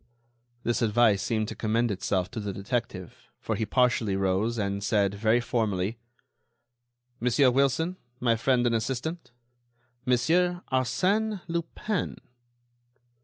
This advice seemed to commend itself to the detective, for he partially rose and said, very formally: "Monsieur Wilson, my friend and assistant—Monsieur Arsène Lupin."